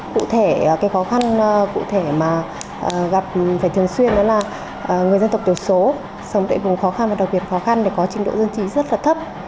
cụ thể cái khó khăn cụ thể mà gặp phải thường xuyên đó là người dân tộc tiểu số sống tại vùng khó khăn và đặc biệt khó khăn để có trình độ dân trí rất là thấp